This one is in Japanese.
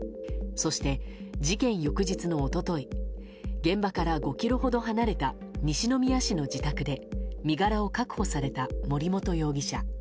そして、事件翌日の一昨日現場から５ｋｍほど離れた西宮市の自宅で身柄を確保された森本容疑者。